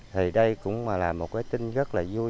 thì đây cũng là một cái tin rất là vui